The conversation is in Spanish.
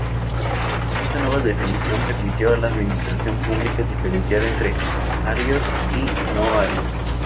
Esta nueva definición permitió a la administración pública diferenciar entre "arios" y "no arios".